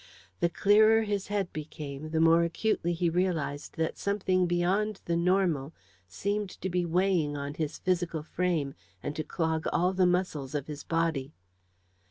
The clearer his head became, the more acutely he realised that something beyond the normal seemed to be weighing on his physical frame, and to clog all the muscles of his body.